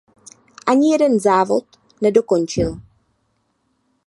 Ani jeden závod nedokončil.